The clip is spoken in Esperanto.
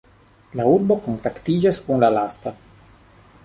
La urbo kontaktiĝas kun la lasta.